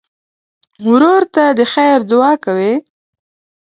ورور ته د خیر دعا کوې.